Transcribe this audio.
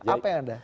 apa yang ada